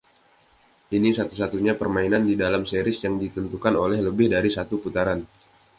Ini satu-satunya permainan di dalam Series yang ditentukan oleh lebih dari satu putaran.